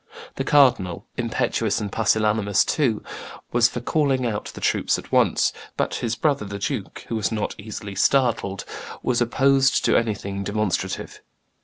The cardinal, impetuous and pusillanimous too, was for calling out the troops at once; but his brother the duke, "who was not easily startled," was opposed to anything demonstrative.